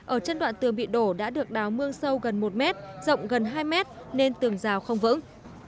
ở chân đoạn tường bị đổ đã được đáo mương sâu gần một mét rộng gần hai mét nên tường rào không vững